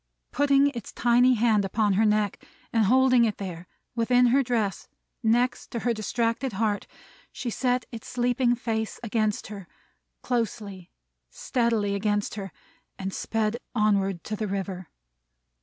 Putting its tiny hand up to her neck, and holding it there, within her dress, next to her distracted heart, she set its sleeping face against her: closely, steadily against her: and sped onward to the river.